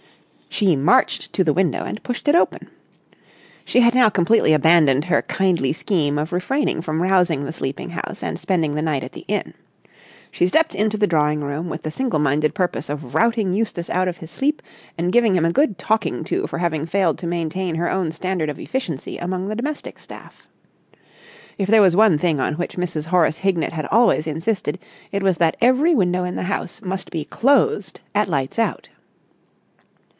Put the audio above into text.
She marched to the window and pushed it open. She had now completely abandoned her kindly scheme of refraining from rousing the sleeping house and spending the night at the inn. She stepped into the drawing room with the single minded purpose of routing Eustace out of his sleep and giving him a good talking to for having failed to maintain her own standard of efficiency among the domestic staff. If there was one thing on which Mrs. Horace Hignett had always insisted it was that every window in the house must be closed at lights out.